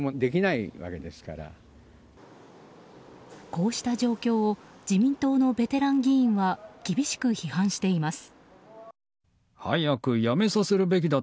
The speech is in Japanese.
こうした状況を自民党のベテラン議員は厳しく批判しています。